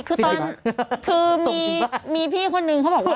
คือตอนคือมีพี่คนนึงเขาบอกว่า